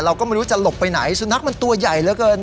เราก็ไม่รู้จะหลบไปไหนสุนัขมันตัวใหญ่เหลือเกิน